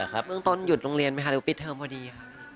เมื่องตอนหยุดโรงเรียนหรือหยุดป่านเติมพอดี